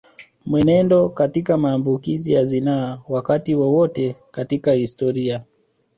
Mwenendo katika maambukizi ya zinaa Wakati wowote katika historia